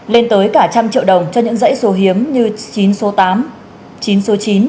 lên tới cả trăm triệu đồng cho những dãy số hiếm như chín số tám chín số chín